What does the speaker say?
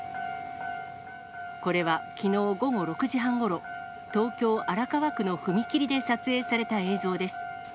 これは、きのう午後６時半ごろ、東京・荒川区の踏切で撮影された映像です。